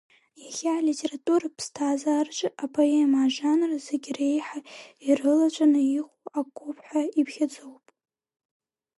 Иахьа алитературатә ԥсҭазаараҿы апоема ажанр зегьы реиҳа ирылаҵәаны иҟоу акоуп ҳәа иԥхьаӡоуп.